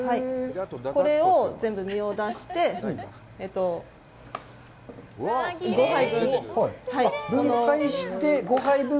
これを全部、身を出して、５杯分。